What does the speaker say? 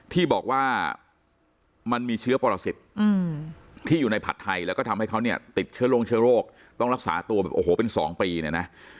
ที่อยู่ในผัดไทยและทำให้เขาติดเชื้อโรคต้องรักษาตัวแบบโอ้โหเป็น๒ปี